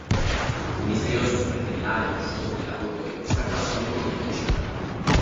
Un misterioso supercriminale conosciuto come l'Avvoltoio sta causando problemi in città.